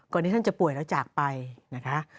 ที่ท่านจะป่วยแล้วจากไปนะคะ